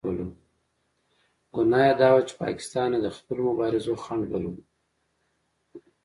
ګناه یې دا وه چې پاکستان یې د خپلو مبارزو خنډ بللو.